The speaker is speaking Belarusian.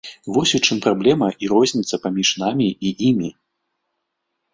Вось у чым праблема і розніца паміж намі і імі.